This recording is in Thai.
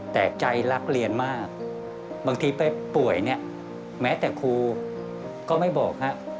แต่ใจรักเรียนมากบางทีไปป่วยเนี่ยแม้แต่ครูก็ไม่บอกฮะ